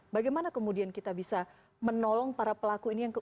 bagaimana kemudian kita bisa menolong para pelaku ini